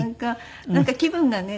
なんか気分がね